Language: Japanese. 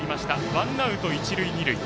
ワンアウト、一塁二塁。